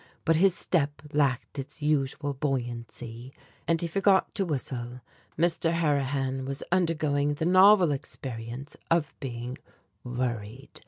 But his step lacked its usual buoyancy, and he forgot to whistle, Mr. Harrihan was undergoing the novel experience of being worried.